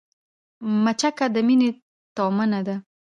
مچکه د مينې تومنه ده